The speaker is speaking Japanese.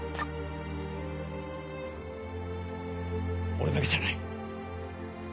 俺だけじゃない。